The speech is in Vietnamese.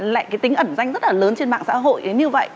lại cái tính ẩn danh rất là lớn trên mạng xã hội như vậy